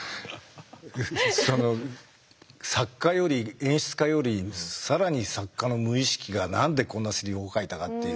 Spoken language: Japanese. その作家より演出家より更に作家の無意識が何でこんなセリフを書いたかっていう。